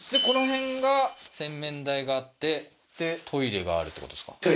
この辺が洗面台があってでトイレがあるってことですか？